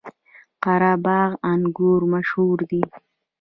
قره باغ انګور مشهور دي؟